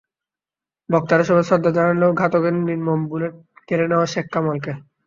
বক্তারা সবাই শ্রদ্ধা জানালেন ঘাতকের নির্মম বুলেট কেড়ে নেওয়া শেখ কামালকে।